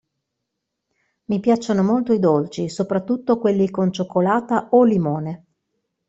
Mi piacciono molto i dolci, soprattutto quelli con cioccolata o limone.